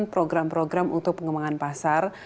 program program untuk pengembangan pasar